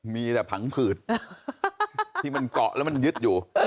มีแต่ผังผืดที่มันเกาะแล้วมันยึดอยู่